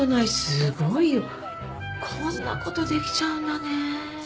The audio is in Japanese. すごいよ。こんなことできちゃうんだね。